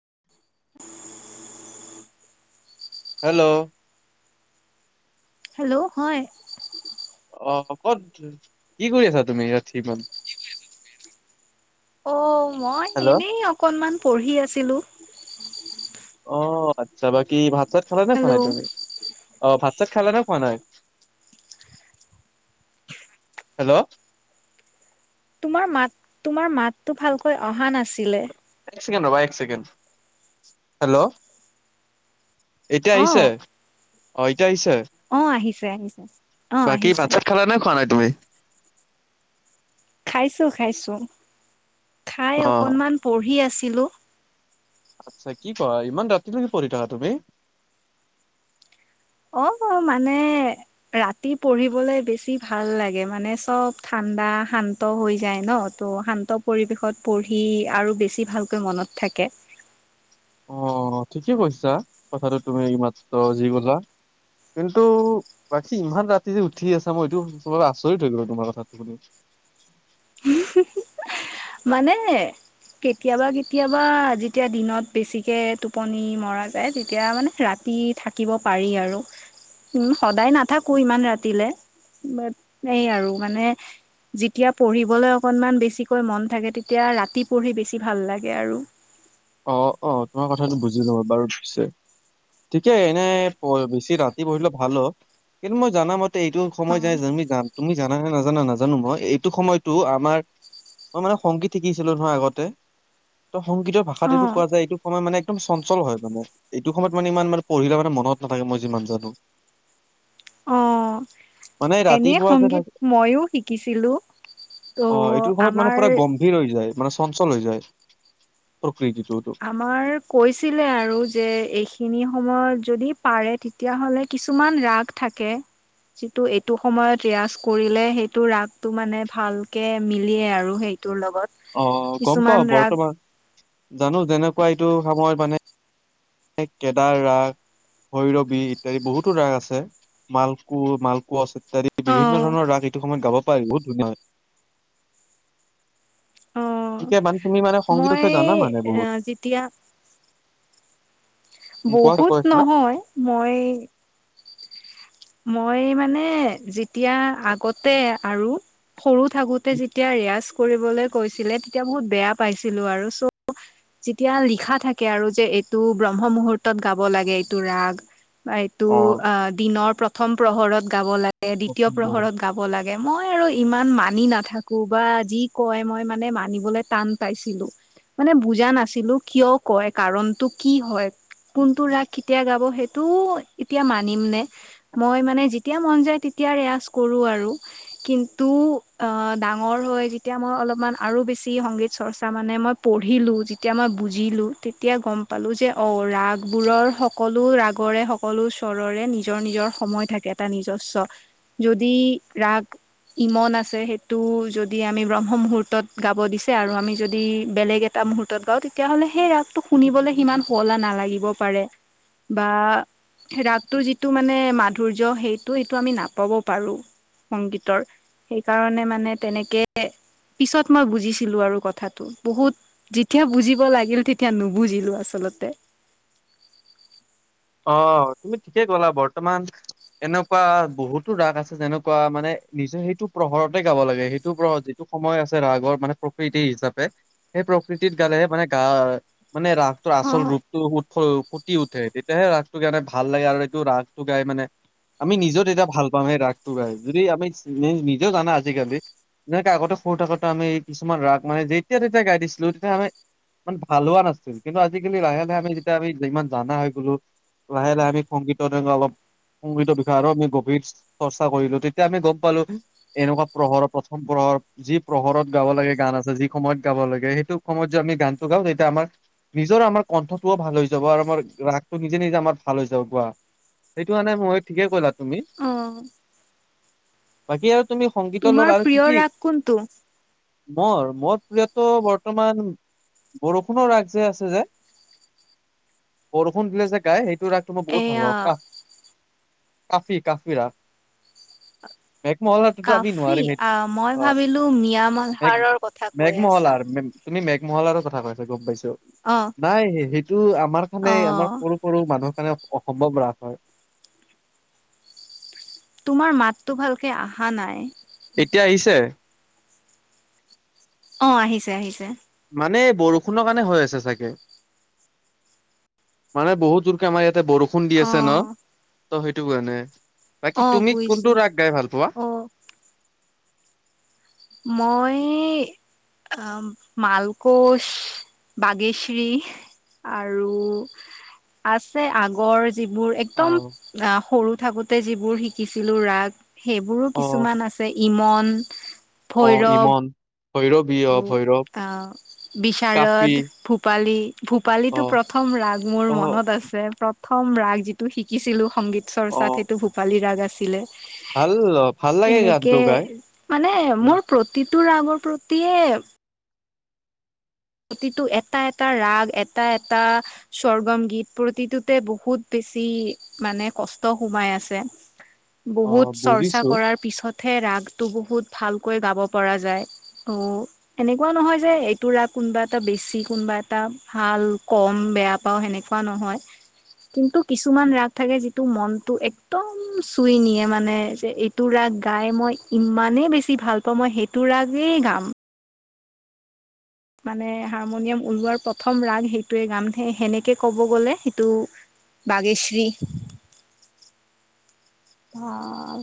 [unintelligible] Hello hello হয় আহ কত কি কৰি আছা তুমি ইয় সি মন অ মই এনেই অকনমান পঢ়ি আছিলো অ আচ্ছা বাকী ভাত চাত খালা নে খ নাই হেল্ল' তুমি অ ভাত চাত খাইালে নে খোৱা নাই হেল্ল' তোমাৰ মাত তোমাৰ মাততটো ভালকৈ অহা নাছিলে এককেড বাবা এককেণ্ড হেল্ল' এতিয়া আহিছে অ' অ অ' আহিছে আহিছে অ' বাকী আহিছে। বাচাত খালা নে খোৱা নাই তুমি খাইছো খাইছো খাই অ অকনমান পঢ়ি আছিলো আচ্ছা কি কোৱা ইমান ৰাতি নকি পৰিঢ়ি থাকা তুমি অ মানে ৰাতি পঢ়িবলে বেছি ভাল লাগে মানে চব ঠাণ্ডা ঠাণ্ডা শান্ত হৈ যায় ন ত' শান্ত পৰিৱেশত পঢ়ি আৰু বেছি ভালকৈ মনত থাকে থাকে অ ঠিকে কৈছা কথাটো তুমি ই মাত্ৰ যি গলা কিন্তু বাকী ইমান ৰাতি যে উঠি আছে মই এইটো চব আচৰিত হৈ গলো তোমাৰ কথাটো বুলি [unintelligible] মানে কেতিয়াবা কেতিয়াবা যেতিয়া দিনত বেছিকে টোপনি মৰা যায় তেতিয়া মানে ৰাতি ৰাতি থাকিব পাৰি আৰু উম সদায় নাথাকো ইমান ৰাতিলে। আৰু মানে যেতিয়া পঢ়িবলৈ অকনমান বেছিকৈ মন। - থাকে তেতিয়া ৰাতি পঢ়ি বেছি ভাল লাগে আৰু। অ অ তোমাৰ কথাটো বুজি লওঁ বাৰু পছে। ঠিকে এনেই বেছি ৰাতি পঢ়িলে ভালো কিন্তু মই জানাম এইটো অ সময় যায় তুমি তুমি জানা নে নাজানা নাজানো মই এইটো সময়তো আমাৰ। - মই মানে সংগীত শিকিছিলো নহয় আগতে ত সংগীতৰ অ ভাষাতটো কোৱা যায় এইটো সময় মানে। - একদম চঞ্চল হয় মানে এইটো সময়ত মানে ইমান মানে পঢ়িলে মানে মনত নাথাকে মই যিমান জানো। অ মানে এনে ৰাতিপুৱা যে সংগীত থাকে ময়ো শিকিছিলো। ত' অ এইটোৰ সময়ত মানে আমাৰ পুৰা গম্ভীৰ হৈ যায়, মানে চঞ্চল হৈ যায়। প্ৰকৃতিটোতো আমাৰ কৈছিলে আৰু যে এইখিনি সময়ত। - যদি পাৰে তেতিয়াহ'লে কিছুমান ৰাগ থাকে। যিটো এইটো সময়ত ৰিয়জ কৰিলে সেইটো ৰাগটো মানে ভালকে মিলিয়ে আৰু সেই। - ত অ লগত গম পাও কিছুমান ৰাগ। - বৰ্তমান জানো যেনেকুৱা এইটো সময়ত মানে কেদাৰ ৰাগ। - ভৈৰৱী ইত্যাদি বহুতো ৰাগ আছে মালকু মালকু আছে। ত বিভিন্ন অ', ধৰণৰ ৰা সময়ত গাব পাই বহুত ধুনীয়া হয় অ', ঠিকে মান তুমি মানে সংগীত মই বিষয়ে জানা মানে বহুত। যেতিয়া উম, কোৱা বহুত কৈ আছিলা নহয় মই। - মই মানে যেতিয়া আগতে আৰু। - সৰু থাকোঁতে যেতিয়া ৰিয়াজ। - কৰিবলৈ কৈছিলে তেতিয়া বহুত বেয়া পাইছিলো আৰু চ' যেতিয়া লিখা থাকে আৰু যে। - এইটো ব্ৰহ্ম মুহুৰ্তত গাব লাগে এইটো ৰাগ। - এইটো অ দিনৰ প্ৰথম প্ৰহৰত গাব লাগে দ্বিতীয় প্ৰহৰত গাব লাগে। ইমান মই আৰু ইমান মানি নাথাকো বা যি কয় মই মানে মানিবলৈ টান পাইছিলো। মানে বুজা নাছিলো কিয় কয় কাৰণতটো কি হয়। কোনটো ৰাগ কেতিয়া গাব সেইটোও এতিয়া মানিম নে! মই মানে যেতিয়া মন যায় তেতিয়া ৰেয়জ কৰো আৰু কিন্তু অ ডাঙৰ। - যেতিয়া মই অলপমান আৰু বেছি সংগীত চৰ্চা মানে মই পঢ়িলো যেতিয়া মই বুজিলো তেতিয়া। - গম পালো যে অ ৰাগবোৰৰ সকলো ৰাগৰে সকলো সৰৰে নিজৰ নিজৰ। - সময় থাকে এটা নিজস্ব যদি ৰাগ। - ইমন আছে সেইটো যদি আমি ব্ৰহ্ম মুহুৰ্তত গাব দিছে আৰু আমি যদি বেলেগ এটা। - মুহুৰ্তত গাও তেতিয়াাহ'লে সেই ৰাগটো শুনিবলৈ সিমান শুৱলা নালাগিব পাৰে। বা ৰাগটোৰ যিটো মানে মা ধৰ্য সেইটো এইটো আমি নাপাব পাৰোঁ। সংগীতৰ সেইকাৰণে মানে তেনেকে। - পিছত মই বুজিছিলো আৰু কথাটো বহুত যেতিয়া বুজিব লাগিল তেতিয়া নুবুজিলো আচলতে। অহ তুমি ঠিকেই কলা বৰ্তমান। - এনেকুৱা বহুতো ৰাস আছে যেনেকুৱা মানে নিজৰ সেইটো প্ৰহৰতে গাব লাগে সেইটো প্ৰহৰত যিটো। - সময় আছে ৰাগৰ মানে প্ৰকৃতি হিচাপে সেই প্ৰকৃতিত গালেহে মানে গা মানে ৰাসটোৰ আচল অ', ৰূপটো উ ফুটি উঠে। - তেতিয়াহে ৰাসটো গানে ভাল লাগে আৰু এইটো ৰাসটো গাই মানে। - আমি নিজেও তেতিয়া ভাল পাম সেই ৰাসটো গাই যদি আমি নি-নিজেও জানা আজিকালি। এনেকে আগতে সৰু থাকোতে আমি কিছুমান ৰাগ মানে যেতিয়া তেতিয়া গাই দিছিলো তেতিয়া আমি। - ইমান ভাল হোৱা নাছিল কিন্তু আজিকালি লাহে লাহে আমি যেতিয়া আম ইমান জানা হয় গলো। - লাহে লাহে আমি সংগীতত অলপ। - সংগীতৰ বিষয়ে আৰু আমি গভীৰ চৰ্চা কৰিলো তেতিয়া আমি গম পালো এনেকুৱা প্ৰহৰ প্ৰথম প্ৰহৰ। - যি প্ৰহৰত গাব লাগে গান আছে যি সময়ত গাব লাগে সেইটো সময়ত যে আমি গানতটো গাওঁ তেতিয়া আমাৰ। - নিজৰ আমাৰ কণ্ঠটোও ভাল হৈ যাব আৰু আমাৰ ৰাগ ত নিজে নিজে আমাৰ ভাল হৈ যা গোৱা সেইটো মানে মই ঠিকেই কলাত আহ বাকী আৰু তুমি সংগীত লৰ আৰু কি প্ৰিয় কি ৰাগ কোনটো? মোৰ মোৰ প্ৰিয়তটো বৰ্তমান বৰষুণৰ ৰাগ যে আছে যে [unintelligible] শু দিলে যে গাই সেইটো ৰাগটো মই বহুত ভাল এয়া পাওঁ কাফ কাফি কাফি ৰাস [unintelligible] মেঘ মহলাটোত আমি কাফি নোৱাৰোৱ আহ মই অ ভাবিলো মিয়া মালহাৰৰ কথা ম কৈ মেঘমহলা আছা। আৰ তুমি মেঘমলাৰ কথা কৈছা গম পাইছো অ'। নাই সেইটো আমাৰ খানে আমাৰ অ', সৰু সৰু মানুহৰ কাৰণে অসম্ভৱ ৰাস হয় তোমাৰ মাততটো ভালকে অহা নাই এতিয়া আহিছে অ আহিছে আহিছে মানে বৰষুণৰ কাৰণে হৈ আছে চাগে মানে বহুত জোৰকে আমাৰ ইয়াতে বৰষুণ দি আছে ন অ', ত সেইটো কাৰণে বাকী অ', তুমি বুজিছো কোনটো ৰাগ গাই ভাল পোৱা অ'। মই মালকোচ বাগেশী আৰু আছে আগৰ যিবোৰ অ একদম আহ সৰু থাকোতে যিবোৰ শিকিছিলো ৰাগ সেইবোৰো অ কিছুমান আছে ইমন অ ভৈৰৱ ইমন শৈৰৱ বিয় আহ বিশচাৰদ ভূপালী অ ভূপালীটো প্ৰথম ৰাগ মোৰ অ মনত আছে প্ৰথম ৰাগ যিটো শিকিছিলো সংগীত অ চৰ্চাত সেইটো ভূপালী ৰাগ আছিলে ভাল ভাল লাগে এনেকে গানটো গাই মানে উম মোৰ প্ৰতি তটো আগৰ প্ৰতিয়ে প্ৰতিটো এটা এটা ৰাগ এটা এটা স্বৰ্গম গীত প্ৰতিটোতে বহুতে বেছি মানে কষ্ট সোমাই আছে অ বহুত চৰ্চা বুজিছো কৰাৰ পিছত থে ৰাগটো বহুত ভালকৈ গাব পৰা যায় অ এনেকুৱা নহয় যে এইটো ৰাগ কোনোবা এটা বেছি কোনোবা এটা ভাল কম বেয়া পাওঁ সেনেকুৱা নহয় কিন্তু কিছুমান ৰাগ থাকে যিটো মনতটো এক্দম চুই নিয়ে মানে যে এইটো ৰাগ গাই মই ইমানেই বেছি ভাল পাওঁ মই সেইটো ৰাগেই গাম মানে হাৰমনিয়াম ওলোৱাৰ প্ৰথম ৰাগ সেইটোৱে গামে সেনেকে ক'ব গ'লে সেইটো বাগেশ্বী [inaudible] অ